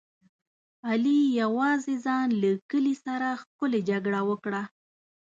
علي یوازې ځان له کلي سره ښکلې جګړه وکړه.